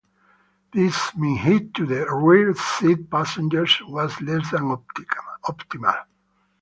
This meant heat to the rear seat passengers was less than optimal.